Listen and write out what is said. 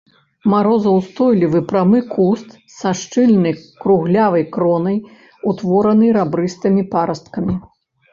Марозаўстойлівы прамы куст са шчыльнай круглявай кронай, утворанай рабрыстымі парасткамі.